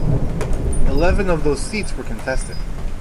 Eleven of those seats were contested.